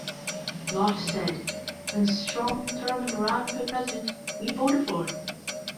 Lott said: When Strom Thurmond ran for president, we voted for him.